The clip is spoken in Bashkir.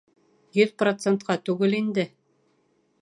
Йөҙ процентҡа түгел инде.